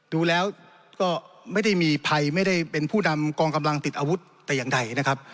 ดูแล้วก็ไม่ได้มีภัยไม่ได้เป็นผู้นำกองกำลังติดอาวุธแต่อย่างใดนะครับ